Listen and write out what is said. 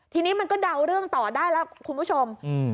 ทีนี้มันก็เดาเรื่องต่อได้แล้วคุณผู้ชม